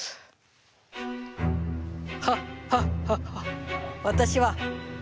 ハッハッハッハッ！